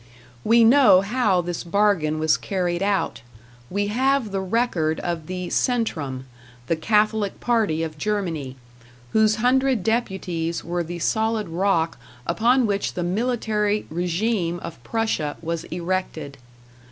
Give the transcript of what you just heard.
We know how this bargain was carried out; we have the record of the Centrum, the Catholic party of Germany, whose hundred deputies were the solid rock upon which the military regime of Prussia was erected.